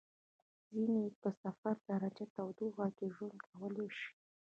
ځینې یې په صفر درجه تودوخې کې ژوند کولای شي.